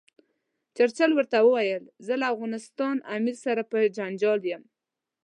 چرچل ورته وویل زه له افغانستان امیر سره په جنجال یم.